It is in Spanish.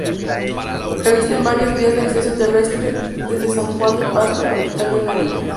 Existen varias vías de acceso terrestres desde San Juan de Pasto, capital de Nariño.